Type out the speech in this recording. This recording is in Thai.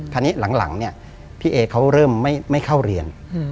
คราวนี้หลังพี่เอ๋เขาเริ่มไม่เข้าเรียน